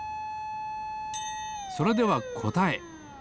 それではこたえ。